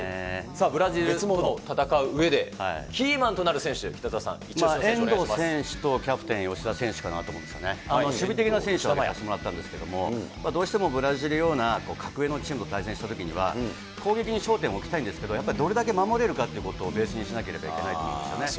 さあ、ブラジルと戦ううえで、キーマンとなる選手、北澤さん、遠藤選手とキャプテン、吉田選手かなと思うんですけどね、守備的な選手を挙げさせてもらったんですけど、どうしてもブラジルのような格上のチームと対戦したときには、攻撃に焦点を置きたいんですけど、やっぱりどれだけ守れるかっていうことをベースにしなければいけないと思うんですよね。